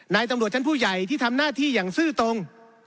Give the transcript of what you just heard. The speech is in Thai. ตำรวจชั้นผู้ใหญ่ที่ทำหน้าที่อย่างซื่อตรง